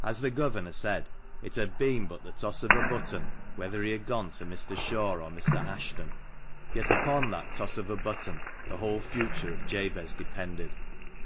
As the Governor said, it had "been but the toss of a button" whether he had gone to Mr. Shaw or Mr. Ashton, yet upon that toss of a button the whole future of Jabez depended.